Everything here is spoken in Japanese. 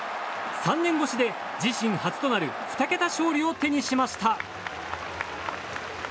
３年越しで自身初となる２桁勝利を手にしました。